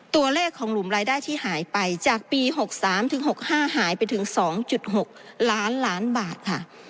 ตัวเลขของหลุมรายได้ที่หายไปจากปี๖๓๖๕หายไปถึง๒๖ล้านล้านบาทค่ะ